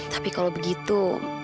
tapi kalau begitu